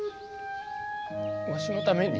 わしのために？